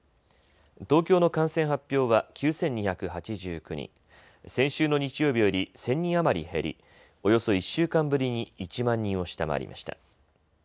東京の感染発表は９２８９人、先週の日曜日より１０００人余り減り、およそ１週間ぶりに１万人を下回りました。